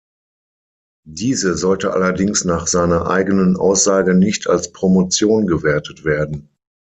Diese sollte allerdings nach seiner eigenen Aussage nicht als Promotion gewertet werden.